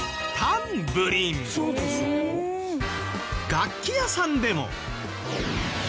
楽器屋さんでも。